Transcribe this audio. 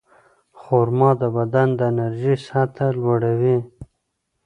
خرما د بدن د انرژۍ سطحه لوړوي.